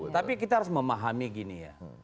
tapi kita harus memahami gini ya